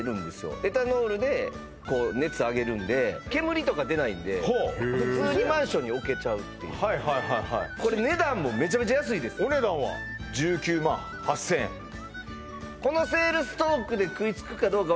エタノールでこう熱上げるんで煙とか出ないんで普通にマンションに置けちゃうっていうこれ値段もめちゃめちゃ安いですお値段は１９万８０００円まあ